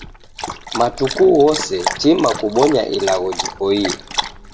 Matuku ghose, tima kubonya ilagho jipoiye.